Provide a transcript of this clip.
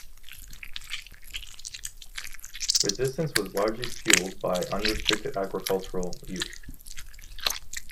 Resistance was largely fueled by unrestricted agricultural use.